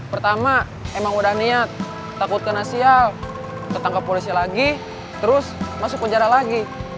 pertama emang udah niat takut kena sial ketangkap polisi lagi terus masuk penjara lagi